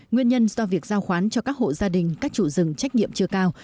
nguyên nhân do việc giao khoán cho các hộ gia đình các chủ rừng trách nhiệm chưa cao